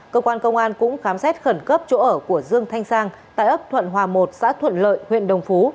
cơ quan công an cũng khám xét khẩn cấp chỗ ở của dương thanh sang tại ấp thuận hòa một xã thuận lợi huyện đồng phú